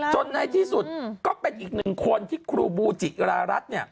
ในที่สุดก็เป็นอีกหนึ่งคนที่ครูบูจิรารัสเนี่ย